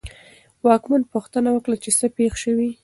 واکمن پوښتنه وکړه چې څه پېښ شوي.